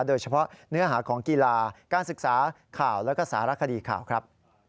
โดยเฉพาะเนื้อหาของกีฬาการศึกษาข่าวแล้วก็สารคดีข่าวครับ